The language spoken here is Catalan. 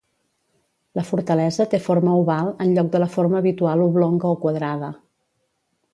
La fortalesa té forma oval enlloc de la forma habitual oblonga o quadrada.